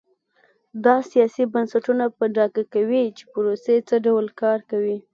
دا سیاسي بنسټونه په ډاګه کوي چې پروسې څه ډول کار کوي.